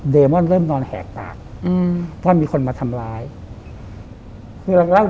เดมอนเริ่มนอนแหงตากอืม